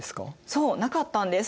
そうなかったんです。